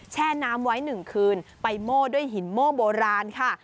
แช่น้ำไว้๑คืนไปโม่ด้วยหินโม่โบราณค่ะ